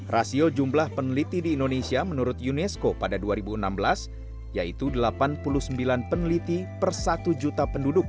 rasio jumlah peneliti di indonesia menurut unesco pada dua ribu enam belas yaitu delapan puluh sembilan peneliti per satu juta penduduk